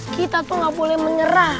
kita tuh gak boleh menyerah